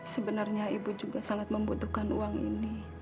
sebenarnya ibu juga sangat membutuhkan uang ini